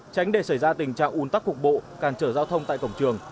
tránh để xảy ra tình trạng un tắc cục bộ càn trở giao thông tại cổng trường